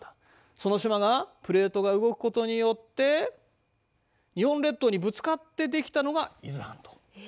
その島がプレートが動くことによって日本列島にぶつかって出来たのが伊豆半島。